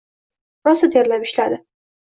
Rosa terlab ishladi.